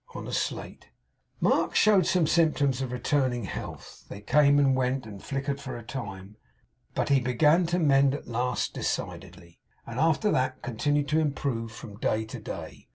on a slate), Mark showed some symptoms of returning health. They came and went, and flickered for a time; but he began to mend at last decidedly; and after that continued to improve from day to day.